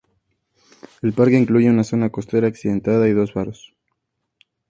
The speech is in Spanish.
El parque incluye una zona costera accidentada y dos faros.